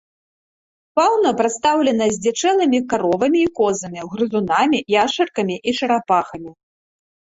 Фаўна прадстаўлена здзічэлымі каровамі і козамі, грызунамі, яшчаркамі і чарапахамі.